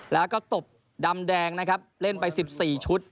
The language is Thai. แล้วก็ตบดำแดงนะครับเล่นไป๑๔ชุด